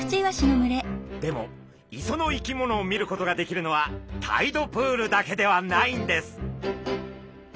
でも磯の生き物を見ることができるのはタイドプールだけではないんです！